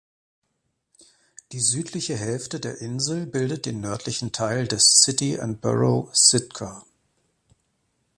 Die südliche Hälfte der Insel bildet den nördlichen Teil des City and Borough Sitka.